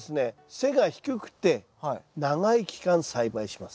背が低くて長い期間栽培します。